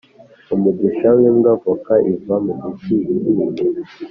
Umugisha w’imbwa voka iva mugiti ihiye